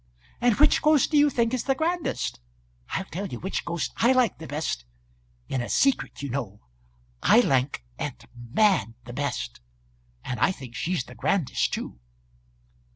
"And which ghost do you think is the grandest? I'll tell you which ghost I like the best, in a secret, you know; I like aunt Mad the best, and I think she's the grandest too."